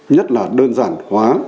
nhất là đơn giản hóa